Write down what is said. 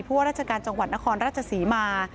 ว่าราชการจังหวัดนครราชศรีมา